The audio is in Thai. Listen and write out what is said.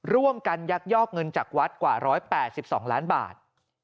ยักยอกเงินจากวัดกว่า๑๘๒ล้านบาท